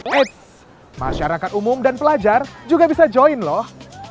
eits masyarakat umum dan pelajar juga bisa join loh